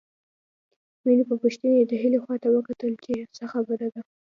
مينې په پوښتنې د هيلې خواته وکتل چې څه خبره ده